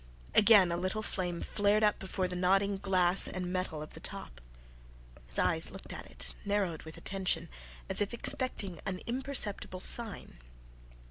Again a little flame flared up before the nodding glass and metal of the top. His eyes looked at it, narrowed with attention, as if expecting an imperceptible sign.